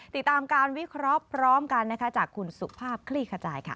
ติดตามการวิเคราะห์พร้อมกันนะคะจากคุณสุภาพคลี่ขจายค่ะ